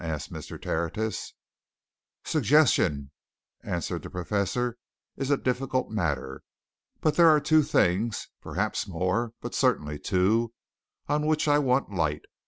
asked Mr. Tertius. "Suggestion," answered the Professor, "is a difficult matter. But there are two things perhaps more, but certainly two on which I want light.